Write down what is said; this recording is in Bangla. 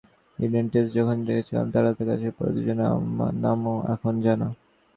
ইডেন টেস্টে চোখ রেখেছিলেন যাঁরা, তাঁদের কাছে পরের দুজনের নামও এখন জানা।